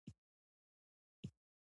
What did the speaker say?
ما وویل: دری سوه پنځوس وسلې به وي.